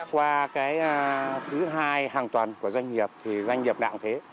qua thứ hai hàng tuần của doanh nghiệp doanh nghiệp đạng thế